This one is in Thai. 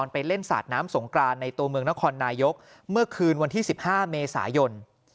ไปเล่นสาดน้ำสงกรานในตัวเมืองนครนายกเมื่อคืนวันที่๑๕เมษายน